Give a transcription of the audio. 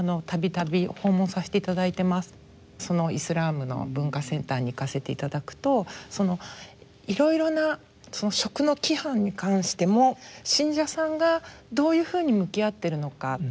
そのイスラムの文化センターに行かせていただくといろいろな食の規範に関しても信者さんがどういうふうに向き合っているのか。